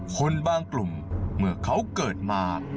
คนบางกลุ่มเมื่อเขาเกิดมา